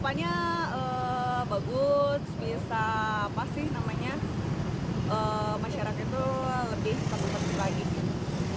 apanya bagus bisa apa sih namanya masyarakat itu lebih sabar sabar lagi